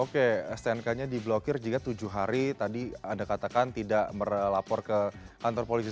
oke stnk nya diblokir jika tujuh hari tadi anda katakan tidak melapor ke kantor polisi